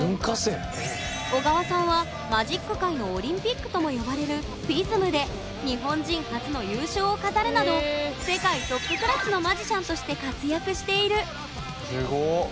緒川さんはマジック界のオリンピックとも呼ばれるＦＩＳＭで日本人初の優勝を飾るなど世界トップクラスのマジシャンとして活躍している。